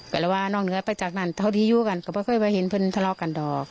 แต่ว่านอกเนื้อไปจากนั้นเท่าที่อยู่กันก็ไม่เคยเห็นเพื่อนทะเลาะกันดอก